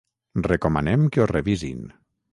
Recomanem que ho revisin.